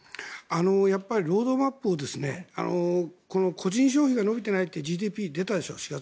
やっぱりロードマップを個人消費が伸びてないってＧＤＰが出たでしょ。